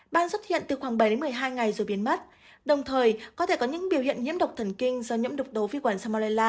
ban xuất hiện từ khoảng bảy đến một mươi hai ngày rồi biến mất đồng thời có thể có những biểu hiện nhiễm độc thần kinh do nhiễm độc tố vi quản samuela